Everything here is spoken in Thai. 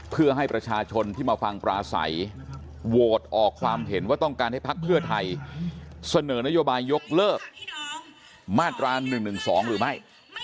เพื่อให้ประชาชนที่มาฟังปราศัยโหวตออกความเห็นว่าต้องการให้พักเพื่อไทยเสนอนโยบายยกเลิกมาตรา๑๑๒หรือไม่